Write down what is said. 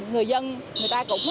người dân người ta cũng